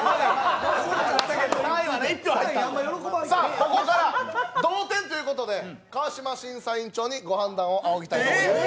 ここから同点ということで川島審査員長に、ご判断をあおぎたいと思います。